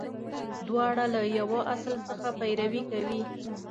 • دواړه له یوه اصل څخه پیروي کوي.